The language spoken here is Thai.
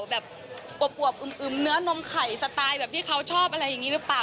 แบบอวบอึมเนื้อนมไข่สไตล์แบบที่เขาชอบอะไรอย่างนี้หรือเปล่า